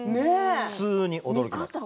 普通に驚きます。